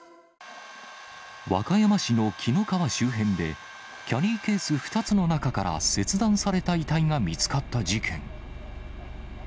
和歌山市の紀の川周辺で、キャリーケース２つの中から切断された遺体が見つかった事件。